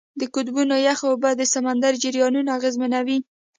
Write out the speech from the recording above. د قطبونو یخ اوبه د سمندر جریانونه اغېزمنوي.